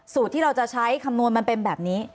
ที่เราจะใช้คำนวณมันเป็นแบบนี้